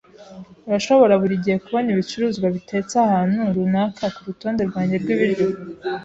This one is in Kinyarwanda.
Urashobora buri gihe kubona ibicuruzwa bitetse ahantu runaka kurutonde rwanjye rwibiryo.